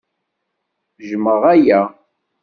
Jjmeɣ aya.